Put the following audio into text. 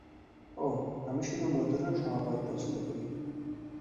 ওহ, আমি শুধু মধুরণ সমাপয়েৎ পছন্দ করি।